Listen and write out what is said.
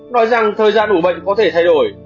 nói rằng thời gian ủ bệnh có thể thay đổi